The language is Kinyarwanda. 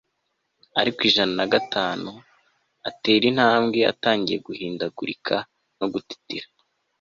Ariko Ijana na Gatatu atera intambwe atangiye guhindagurika no gutitira